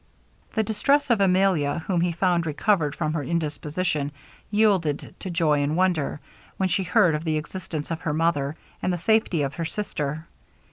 The distress of Emilia, whom he found recovered from her indisposition, yielded to joy and wonder, when she heard of the existence of her mother, and the safety of her sister.